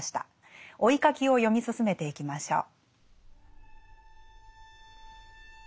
「追ひ書き」を読み進めていきましょう。